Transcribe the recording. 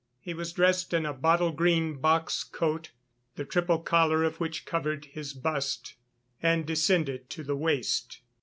He was dressed in a bottle green box coat, the triple collar of which covered his bust and descended to the waist.